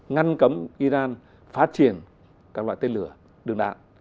ngăn cấm iran phát triển các loại tên lửa đường đạn